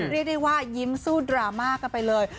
เรียกได้ว่ายิ้มสู้ดราม่ากันไปเลย